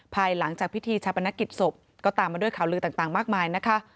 ภายหลังจากพิธีชาปนกิจศพก็ตามมาด้วยข่าวลือต่างมากมายนะคะ